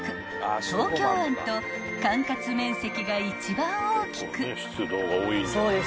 東京湾と管轄面積が一番大きく］